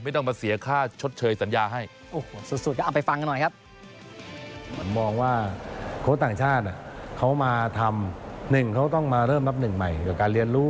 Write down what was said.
ไม่ต้องมาเสียค่าชดเชยสัญญาให้